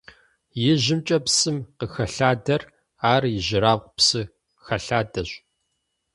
ИжьымкӀэ псым къыхэлъадэр ар ижьырабгъу псы хэлъадэщ.